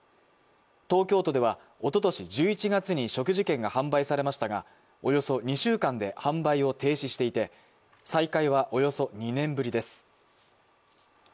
東京都ではおととし１１月に食事券が販売されましたがおよそ２週間で販売を停止していて再開はおよそ２年ぶりです。